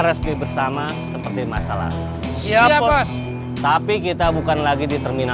udah gak usah ngomongin dia